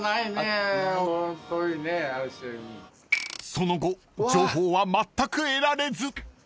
［その後情報はまったく得られず］